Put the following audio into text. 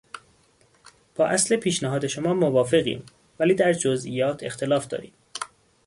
با اصل پیشنهاد شما موافقیم ولی در جزئیات اختلاف داریم.